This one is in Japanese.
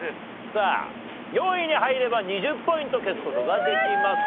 さあ４位に入れば２０ポイント消す事ができます。